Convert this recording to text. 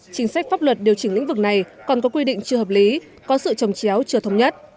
chính sách pháp luật điều chỉnh lĩnh vực này còn có quy định chưa hợp lý có sự trồng chéo chưa thống nhất